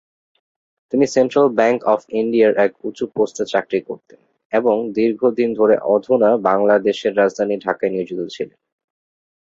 তিনি central bank of ইন্ডিয়ার এক উঁচু পোস্টে চাকরি করতেন এবং দীর্ঘদিন ধরে অধুনা বাংলাদেশের রাজধানী ঢাকায় নিয়োজিত ছিলেন।